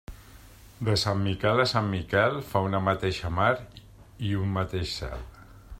De sant Miquel a sant Miquel fa una mateixa mar i un mateix cel.